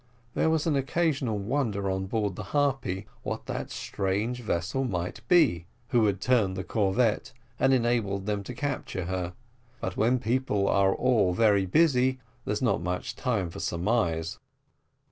There was an occasional wonder on board the Harpy what that strange vessel might be which had turned the corvette and enabled them to capture her, but when people are all very busy, there is not much time for surmise.